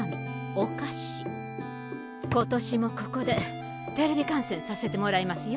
お菓子今年もここでテレビ観戦させてもらいますよ。